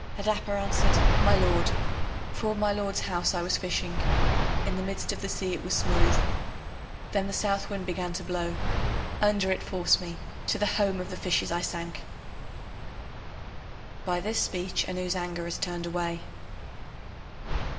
Adapa answered: My lord, 'Fore my lord's house I was fishing, In the midst of the sea, it was smooth, Then the Southwind began to blow Under it forced me, to the home of the fishes I sank. [By this speech Ann's anger is turned away.